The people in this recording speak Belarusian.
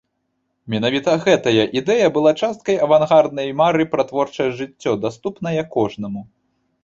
Менавіта гэтая ідэя была часткай авангарднай мары пра творчае жыццё, даступнае кожнаму.